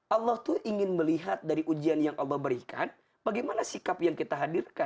allah tuh ingin melihat dari ujian yang allah berikan bagaimana sikap yang kita hadirkan